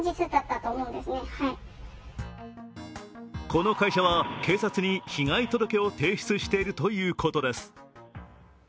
この会社は、警察に被害届を提出しているということです。